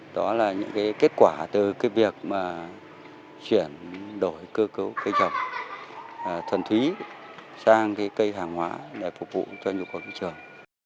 đó là những kết quả từ cái việc mà chuyển đổi cơ cấu cây trồng thuần thúy sang cây hàng hóa để phục vụ cho nhiều cầu trường